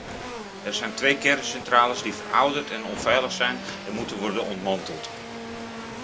Er zijn twee kerncentrales die verouderd en onveilig zijn en moeten worden ontmanteld.